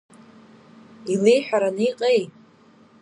Илеиҳәараны иҟеи?